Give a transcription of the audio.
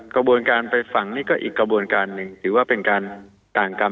กระบวนการไปฝังนี่ก็อีกกระบวนการหนึ่ง